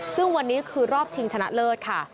ซึ่งวันนี้คือรอบชิงชนะเลิศค่ะ